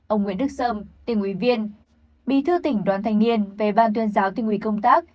ông nguyễn đức sâm tỉnh ủy viên bí thư tỉnh đoàn thanh niên về ban tuyên giáo tỉnh ủy công tác